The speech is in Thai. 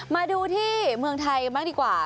มาดูที่เมืองไทยบ้างดีกว่า